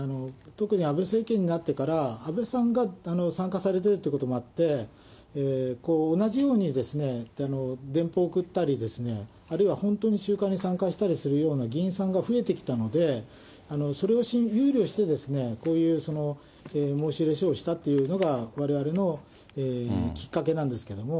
特に安倍政権になってから、安倍さんが参加されているということもあって、同じように電報を送ったり、あるいは本当に集会に参加したりするような議員さんが増えてきたので、それを憂慮して、こういう申し入れ書をしたっていうのが、われわれのきっかけなんですけれども。